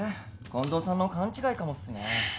近藤さんの勘違いかもっすね。